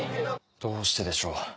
どうしてでしょう？